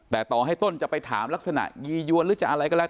แต่ต่อให้ต้นจะไปถามลักษณะยียวนหรือจะอะไรก็แล้ว